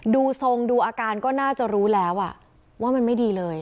ดูทรงดูอาการก็น่าจะรู้แล้วว่ามันไม่ดีเลย